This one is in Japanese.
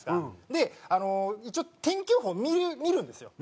で一応天気予報見るんですよ